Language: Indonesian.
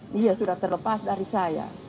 dia sudah terlepas dari saya